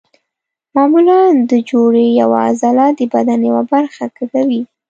معمولا د جوړې یوه عضله د بدن یوه برخه کږوي.